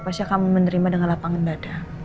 pasti akan menerima dengan lapangan dada